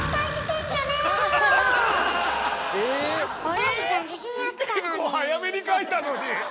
結構早めに書いたのに。